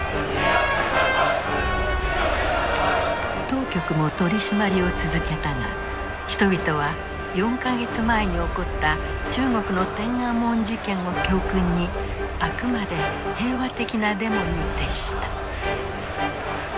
当局も取締りを続けたが人々は４か月前に起こった中国の天安門事件を教訓にあくまで平和的なデモに徹した。